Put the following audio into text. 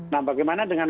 nah bagaimana dengan